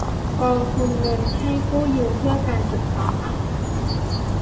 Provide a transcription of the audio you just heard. กองทุนเงินให้กู้ยืมเพื่อการศึกษา